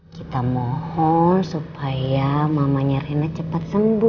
kita mohon supaya mamanya rena cepat sembuh